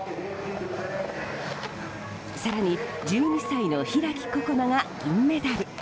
更に、１２歳の開心那が銀メダル。